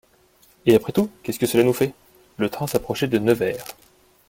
Et après tout, qu'est-ce que cela nous fait ? Le train s'approchait de Nevers.